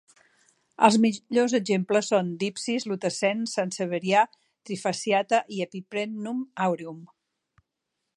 Els millors exemples són: "Dypsis lutescens", "Sansevieria trifasciata" i "Epipremnum aureum".